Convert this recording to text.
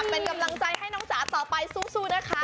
เป็นกำลังใจให้น้องจ๋าต่อไปสู้นะคะ